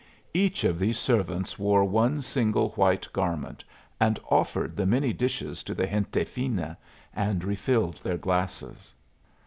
Each of these servants wore one single white garment, and offered the many dishes to the gente fina and refilled their glasses.